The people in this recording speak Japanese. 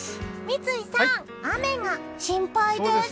三井さん、雨が心配です。